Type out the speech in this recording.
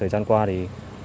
thời gian qua thì